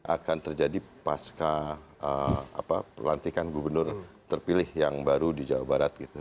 akan terjadi pasca pelantikan gubernur terpilih yang baru di jawa barat gitu